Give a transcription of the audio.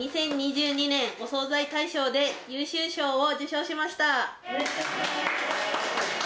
２０２２年お惣菜大賞で優秀賞を受賞しました。